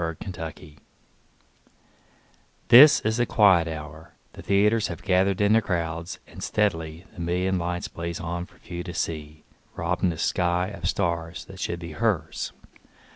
Sara Teasdale Broadway THIS is the quiet hour; the theaters Have gathered in their crowds, and steadily The million lights blaze on for few to see, Robbing the sky of stars that should be hers.